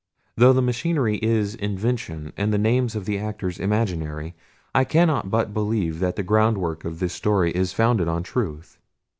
Though the machinery is invention, and the names of the actors imaginary, I cannot but believe that the groundwork of the story is founded on truth.